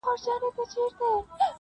• سبا اختر دی خو د چا اختر دی -